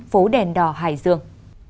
phố đèn đỏ hải dương